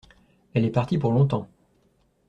Elle est partie pour longtemps.